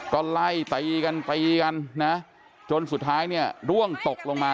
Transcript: ก็ไล่ตีกันตีกันจนสุดท้ายร่วงตกลงมา